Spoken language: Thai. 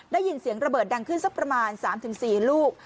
ได้ยินเสียงระเบิดดังขึ้นสักประมาณ๓๔ลูก